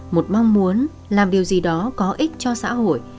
một mong muốn làm điều gì đó có ích cho xã hội